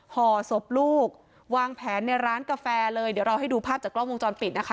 ห่อศพลูกวางแผนในร้านกาแฟเลยเดี๋ยวเราให้ดูภาพจากกล้องวงจรปิดนะคะ